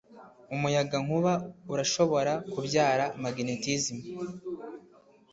Umuyagankuba urashobora kubyara magnetism.